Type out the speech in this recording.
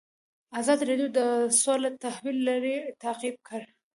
ازادي راډیو د سوله د تحول لړۍ تعقیب کړې.